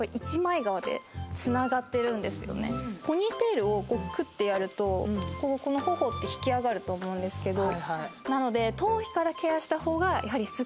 ポニーテールをクッてやると頬って引き上がると思うんですけどなので。